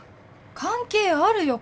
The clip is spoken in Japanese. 関係あるよ